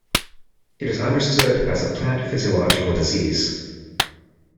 It is understood as a plant physiological disease.